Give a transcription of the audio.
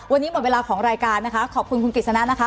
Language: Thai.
วันนี้หมดเวลาของรายการนะคะขอบคุณคุณกฤษณะนะคะ